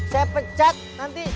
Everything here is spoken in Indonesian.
saya pecat nanti